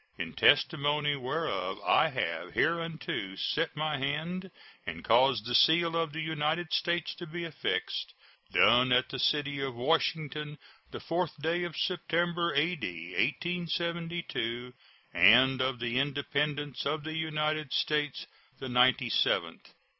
In testimony whereof I have hereunto set my hand and caused the seal of the United States to be affixed. [SEAL.] Done at the city of Washington, the 4th day of September, A.D. 1872, and of the Independence of the United States the ninety seventh.